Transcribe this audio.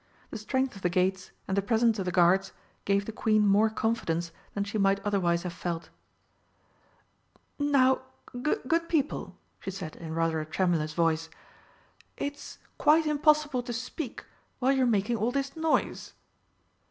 The strength of the gates and the presence of the guards gave the Queen more confidence than she might otherwise have felt. "Now, good people!" she said in rather a tremulous voice, "it's quite impossible to speak while you're making all this noise!"